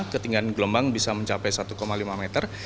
ketinggian gelombang bisa mencapai satu lima meter